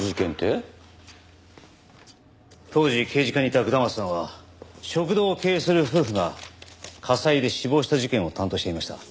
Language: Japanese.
当時刑事課にいた下松さんは食堂を経営する夫婦が火災で死亡した事件を担当していました。